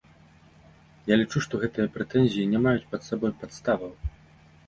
Я лічу, што гэтыя прэтэнзіі не маюць пад сабой падставаў.